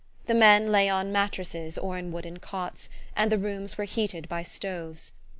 The men lay on mattresses or in wooden cots, and the rooms were heated by stoves.